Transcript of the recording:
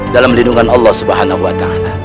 dalam lindungan allah swt